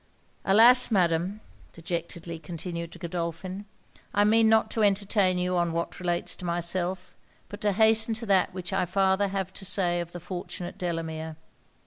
'Alas! Madam,' dejectedly continued Godolphin, 'I mean not to entertain you on what relates to myself; but to hasten to that which I farther have to say of the fortunate Delamere!